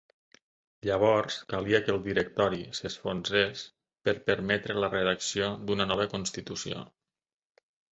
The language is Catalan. Llavors calia que el Directori s'enfonsés per permetre la redacció d'una nova Constitució.